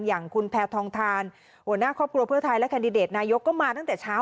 อย่างคุณแพทองทานหัวหน้าครอบครัวเพื่อไทยและแคนดิเดตนายกก็มาตั้งแต่เช้า